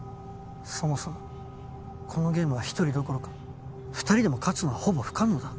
そもそもこのゲームは一人どころか２人でも勝つのはほぼ不可能だ。